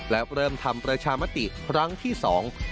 และเริ่มทำประชามติครั้งที่สอง